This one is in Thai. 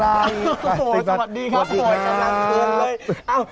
พันธุ์สิบัดสวัสดีครับพลอยอยากลับควรเลย